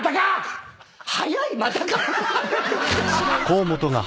「早いまたか」？